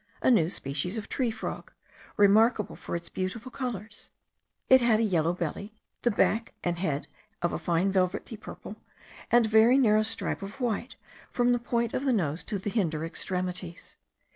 a new species of tree frog, remarkable for its beautiful colours; it had a yellow belly, the back and head of a fine velvety purple, and a very narrow stripe of white from the point of the nose to the hinder extremities.